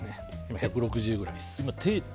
１６０ぐらいです。